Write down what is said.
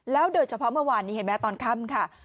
โดยเฉพาะเมื่อวานนี้เห็นไหมตอนค่ำค่ะ